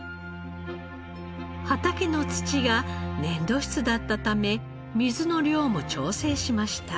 畑の土が粘土質だったため水の量も調整しました。